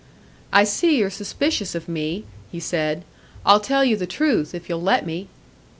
"I see you're suspicious of me," he said. "I'll tell you the truth, if you'll let me."